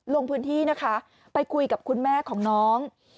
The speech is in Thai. ลงพื้นที่นะคะไปคุยกับคุณแม่ของน้อง